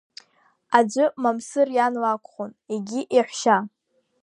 Аӡәы Мамсыр иан лакәхон, егьи иаҳәшьа.